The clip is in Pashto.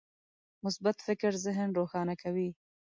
مثبت فکر ذهن روښانه کوي.